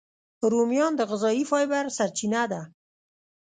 رومیان د غذایي فایبر سرچینه ده